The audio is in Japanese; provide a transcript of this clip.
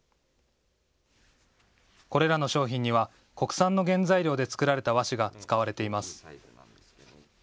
これらの商品には国産の原材料で作られた和紙が使われています。